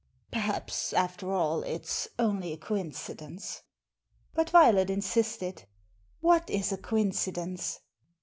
Perhaps, after all, it's only a coincidence." But Violet insisted " What is a coincidence